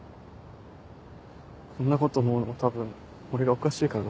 こんなこと思うのも多分俺がおかしいから。